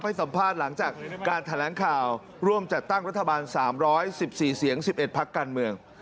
สัมภาษณ์หลังจากการแถลงข่าวร่วมจัดตั้งรัฐบาล๓๑๔เสียง๑๑พักการเมือง